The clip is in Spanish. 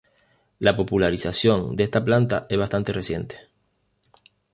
La popularización de esta planta es bastante reciente.